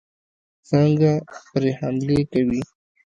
څنګه پرې حملې کوي.